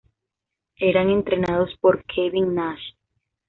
Eran entrenados por Kevin Nash.